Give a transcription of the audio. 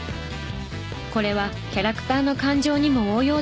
これはキャラクターの感情にも応用できる。